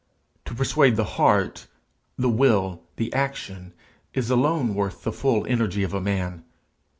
To persuade the heart, the will, the action, is alone worth the full energy of a man.